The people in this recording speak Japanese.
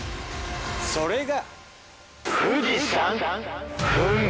それが。